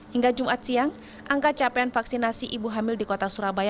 hingga jumat siang angka capaian vaksinasi ibu hamil di kota surabaya